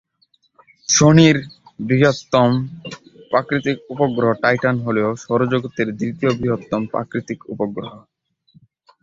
শনির বৃহত্তম প্রাকৃতিক উপগ্রহ টাইটান হল সৌরজগতের দ্বিতীয়-বৃহত্তম প্রাকৃতিক উপগ্রহ।